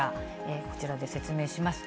こちらで説明します。